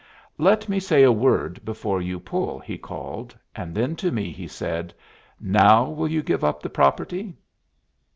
"Let me say a word before you pull," he called, and then to me he said, "Now will you give up the property?"